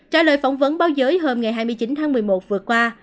trả lời phỏng vấn báo giới hôm ngày hai mươi chín tháng một mươi một vừa qua